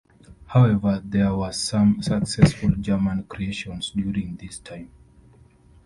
However, there were some successful German creations during this time.